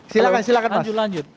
silahkan silahkan mas lanjut lanjut